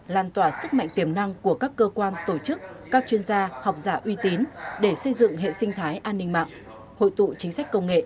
làn tỏa sức mạnh tiềm năng của các cơ quan tổ chức các chuyên gia học giả uy tín để xây dựng hệ sinh thái an ninh mạng hội tụ chính sách công nghệ